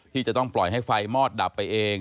ที่จะต้องปล่อยให้ไฟมอดดับไปเอง